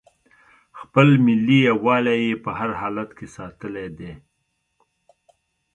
خپل ملي یووالی یې په هر حالت کې ساتلی دی.